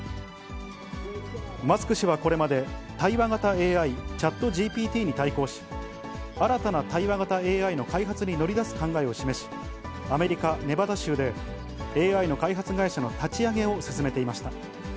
マスクはこれまで、対話型ＡＩ、チャットＧＰＴに対抗し、新たな対話型ＡＩの開発に乗り出す考えを示し、アメリカ・ネバダ州でＡＩの開発会社の立ち上げを進めていました。